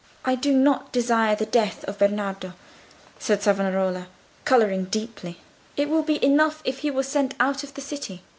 "I do not desire the death of Bernardo," said Savonarola, colouring deeply. "It would be enough if he were sent out of the city."